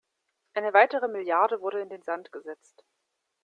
Eine weitere Milliarde wurde in den Sand gesetzt.